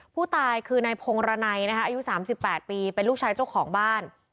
ผู้ตายคือในพงระไนนะคะอายุสามสิบแปดปีเป็นลูกชายเจ้าของบ้าน